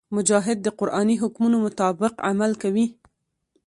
مجاهد د قرآني حکمونو مطابق عمل کوي.